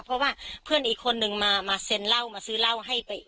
เพราะว่าเพื่อนอีกคนนึงมาเซ็นเหล้ามาซื้อเหล้าให้ไป